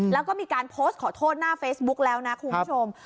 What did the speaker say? แล้วก็มีการโพสต์ขอโทษหน้าเฟซบุ๊กแล้วนะคุณผู้ชม